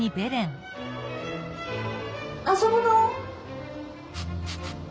遊ぶの？